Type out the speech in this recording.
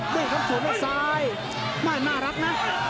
ด้วยครับสวยมากซ้ายน่ารักนะ